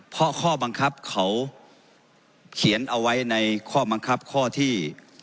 เพราะข้อบังคับเขาเขียนเอาไว้ในข้อบังคับข้อที่